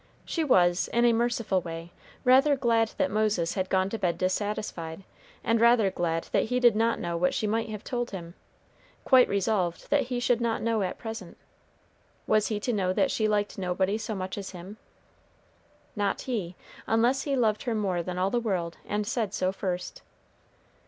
She was, in a merciful way, rather glad that Moses had gone to bed dissatisfied, and rather glad that he did not know what she might have told him quite resolved that he should not know at present. Was he to know that she liked nobody so much as him? Not he, unless he loved her more than all the world, and said so first.